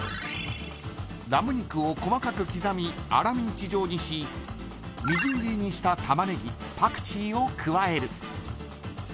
ラム肉を細かく刻み粗ミンチ状にしみじん切りにした玉ねぎパクチーを加える。